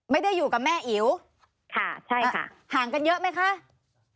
ไม่ได้อยู่กับแม่อิ๋วห่างกันเยอะไหมคะค่ะใช่ค่ะ